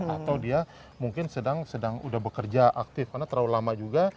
atau dia mungkin sedang sudah bekerja aktif karena terlalu lama juga